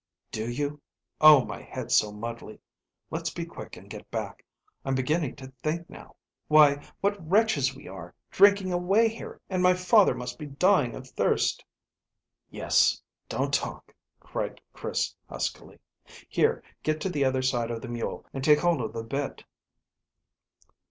"Do you? Oh, my head's so muddly. Let's be quick and get back. I'm beginning to think now. Why, what wretches we are, drinking away here, and my father must be dying of thirst." "Yes. Don't talk," cried Chris huskily. "Here, get to the other side of the mule and take hold of the bit."